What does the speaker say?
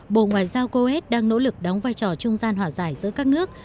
bộ ngoại giao coet đang nỗ lực đóng vai trò trung gian hỏa giải giữa các nước